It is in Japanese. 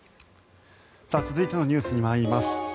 続いてのニュースに参ります。